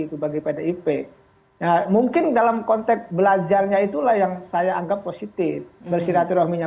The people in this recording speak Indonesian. itu bagi pdip mungkin dalam konteks belajarnya itulah yang saya anggap positif bersilaturahminya